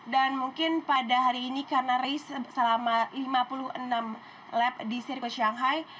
dan mungkin pada hari ini karena rizk selama lima puluh enam lap di sirkuit shanghai